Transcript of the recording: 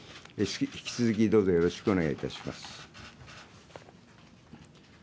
引き続きどうぞよろしくお願いいたします。